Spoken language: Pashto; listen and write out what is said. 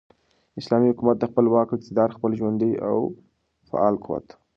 اسلامي حكومت دخپل واك او اقتدار ،خپل ژوندي او فعال قوت ،